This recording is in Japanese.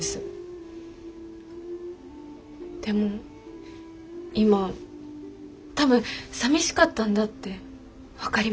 でも今たぶん寂しかったんだって分かりました。